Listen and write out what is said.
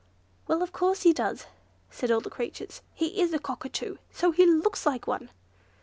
"Well, of course he does," said all the creatures. "He is a Cockatoo, so he looks like one!"